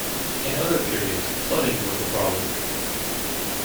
In other periods, flooding was the problem.